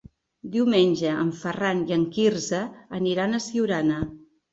Diumenge en Ferran i en Quirze aniran a Siurana.